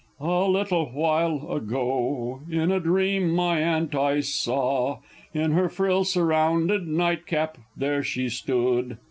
_) A little while ago, in a dream my aunt I saw; In her frill surrounded night cap there she stood!